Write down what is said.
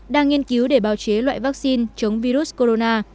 đang nghiên cứu để bào chế loại vaccine chống virus corona